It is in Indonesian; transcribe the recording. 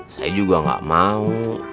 saya juga gak mau